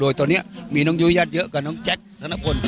โดยตอนนี้มีน้องยูยาศเยอะกับน้องแจ๊คน้องน้องพล